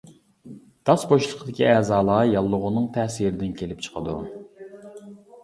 داس بوشلۇقىدىكى ئەزالار ياللۇغىنىڭ تەسىرىدىن كېلىپ چىقىدۇ.